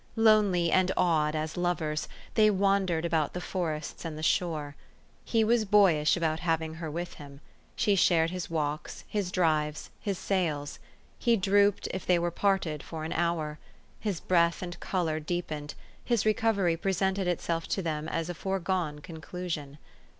Lonely and awed as lovers, they wandered about the forests and the shore. He was boyish about having her with him. She shared his walks, his drives, his sails. He drooped if they were parted for an hour. His breath and color deepened ; his recovery presented itself to them as a foregone con clusion.